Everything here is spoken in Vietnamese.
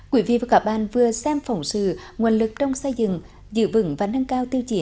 quý vị và các bạn vừa xem phỏng sự nguồn lực trong xây dựng giữ vững và nâng cao tiêu chỉ